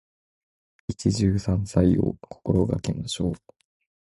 一汁三菜を心がけましょう。